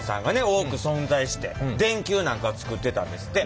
多く存在して電球なんかつくってたんですって。